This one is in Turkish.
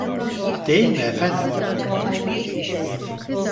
Değil mi efendim?